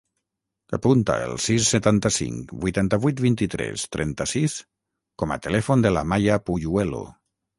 Apunta el sis, setanta-cinc, vuitanta-vuit, vint-i-tres, trenta-sis com a telèfon de l'Amaia Puyuelo.